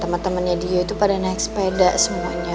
tama tamanya dio itu pada naik sepeda semuanya